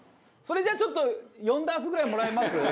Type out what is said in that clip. それじゃあちょっと４ダースぐらいもらえます？